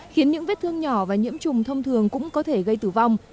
khiến những vết thương nhỏ và nhiễm trùng thông thường cũng có thể gây tử vong